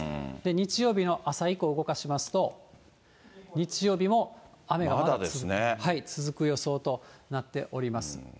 日曜日の朝以降動かしますと、日曜日も雨が続く予想となっております。